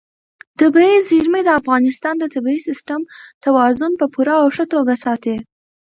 طبیعي زیرمې د افغانستان د طبعي سیسټم توازن په پوره او ښه توګه ساتي.